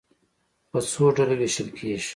په څو ډلو وېشل کېږي.